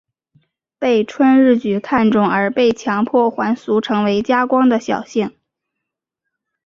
被春日局看中而被强迫还俗成为家光的小姓。